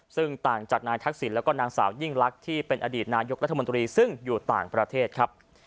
ซึ่งต่างจากนายทักษิณแล้วก็นางสาวยิ่งลักษณ์ที่เป็นอดีตนายกรัฐมนตรีซึ่งอยู่ต่างประเทศครับ